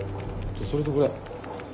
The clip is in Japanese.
それとこれ。